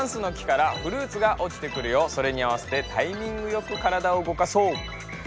それにあわせてタイミングよくからだを動かそう！